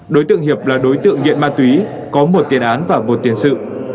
đối tượng hiệp là đối tượng nghiện ma túy có một tiền án và một tiền sự